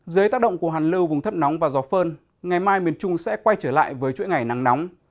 dưới tác động của hàn lưu vùng thấp nóng và gió phơn ngày mai miền trung sẽ quay trở lại với chuỗi ngày nắng nóng